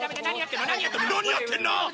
何やってんの！？